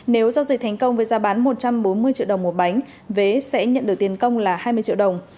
nếu giao dịch thành công với giá bán một trăm bốn mươi triệu đồng một bánh vé sẽ nhận được tiền công là hai mươi triệu đồng